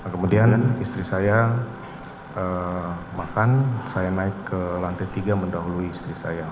kemudian istri saya makan saya naik ke lantai tiga mendahului istri saya